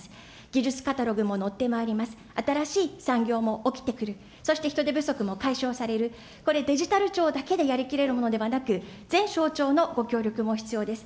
技術カタログものってまいります、新しい産業も起きてくる、そして人手不足も解消される、これ、デジタル庁だけでやりきれるものではなく、全省庁のご協力も必要です。